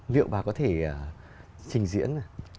liệu bà có thể trình diễn